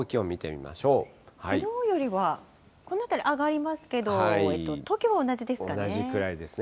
きのうよりは、この辺り、上がりますけど、東京は同じですかね。